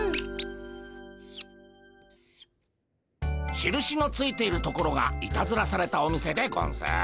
しるしのついているところがいたずらされたお店でゴンス。